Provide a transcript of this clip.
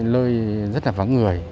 lơi rất là vắng người